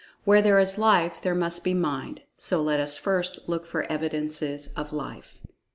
Where there is Life there must be Mind—so let us first look for evidences of Life.